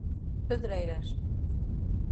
Pedreiras